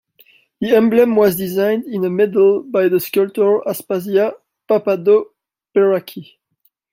The emblem was designed in a medal by the sculptor Aspasia Papadoperaki.